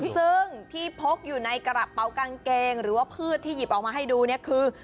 ซึ่งที่พกอยู่ในกระเป๋ากางเกงหรือว่าพืชที่หยิบออกมาให้ดูเนี่ยคือ